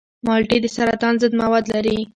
مالټې د سرطان ضد مواد لري.